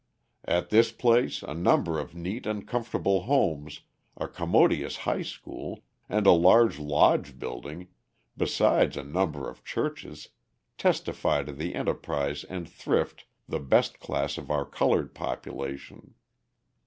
At this place a number of neat and comfortable homes, a commodious high school, and a large lodge building, besides a number of churches, testify to the enterprise and thrift the best class of our coloured population....